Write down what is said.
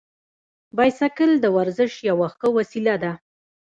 بایسکل د ورزش یوه ښه وسیله ده.